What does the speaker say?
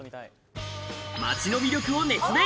街の魅力を熱弁！